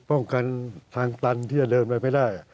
ป้องกันทางตันที่จะเดินไปไม่ได้